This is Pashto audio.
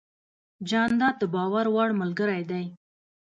جانداد د باور وړ ملګری دی.